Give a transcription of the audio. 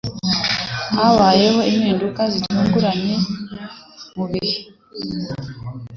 Habayeho impinduka zitunguranye mubihe.